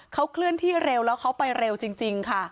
เขาเคลื่อนที่เร็วแล้วเขาไปเร็วจริงค่ะ